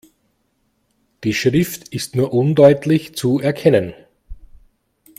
Die Schrift ist nur undeutlich zu erkennen.